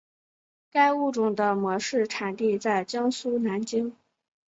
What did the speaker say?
该物种的模式产地在江苏南京。